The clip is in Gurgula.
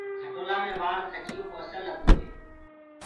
کٽولآ مي وآڻ کجيو ڪو اسل لگدو هي۔